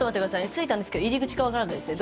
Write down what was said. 着いたんですけど入り口が分からないですね。